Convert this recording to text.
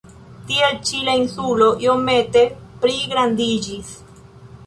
Tiel ĉi la insulo iomete pligrandiĝis.